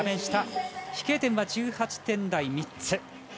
飛型点は１８点台が３つ。